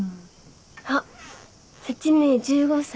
あっ幸姉１５歳。